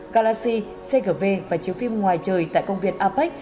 galaxy cgv và chiếu phim ngoài trời tại công viên apec